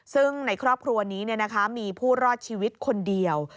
ซึ่งในครอบครัวนี้มีผู้รอดชีวิตคนเดียว